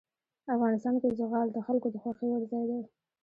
افغانستان کې زغال د خلکو د خوښې وړ ځای دی.